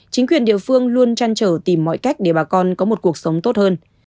chính quyền địa phương luôn chăn trở tìm mọi cách để bà con có một cuộc sống tốt hơn